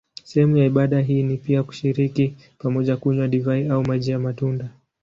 Sehemu ya ibada hii ni pia kushiriki pamoja kunywa divai au maji ya matunda.